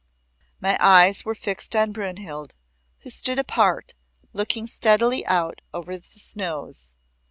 My eyes were fixed on Brynhild, who stood apart, looking steadily out over the snows.